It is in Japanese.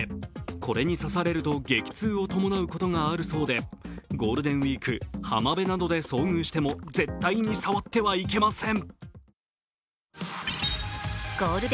これに刺されると激痛を伴うことがあるそうで、ゴールデンウイーク、浜辺などで遭遇しても、絶対に触ってはいけません。